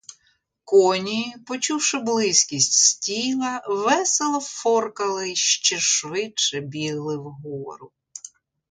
Коні, почувши близькість стійла, весело форкали й ще швидше бігли вгору.